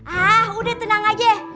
ah udah tenang aja